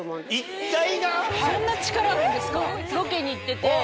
一帯が⁉そんな力あるんですか？